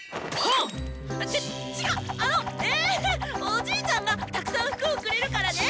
おじいちゃんがたくさん服をくれるからね！